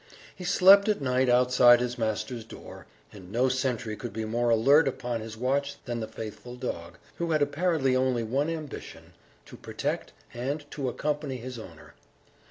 He slept at night outside his master's door, and no sentry could be more alert upon his watch than the faithful dog, who had apparently only one ambition to protect, and to accompany his owner.